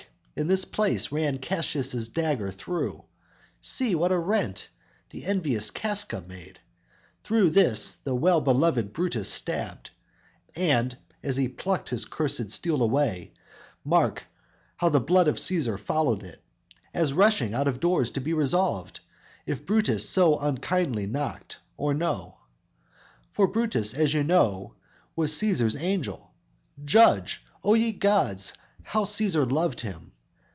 in this place ran Cassius dagger through; See what a rent the envious Casca made; Through this the well beloved Brutus stabbed; And as he plucked his cursed steel away, Mark how the blood of Cæsar followed it; As rushing out of doors to be resolved If Brutus so unkindly knocked, or no; For Brutus, as you know, was Cæsar's angel: Judge, O ye gods, how Cæsar loved him!